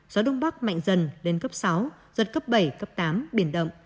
gió đông bắc mạnh dần lên cấp sáu giật cấp bảy cấp tám biển động